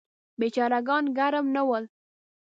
بیچاره ګان ګرم نه ول.